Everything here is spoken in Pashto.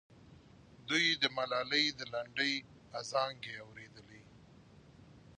دوی د ملالۍ د لنډۍ ازانګې اورېدلې.